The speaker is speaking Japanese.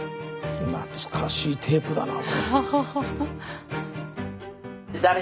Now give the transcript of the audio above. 懐かしいテープだな。